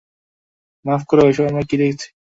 মাফ কোরো, এসব আমরা কী দেখছি?